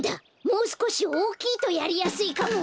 もうすこしおおきいとやりやすいかも！